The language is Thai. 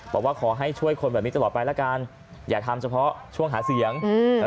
บอกว่าขอให้ช่วยคนแบบนี้ตลอดไปละกันอย่าทำเฉพาะช่วงหาเสียง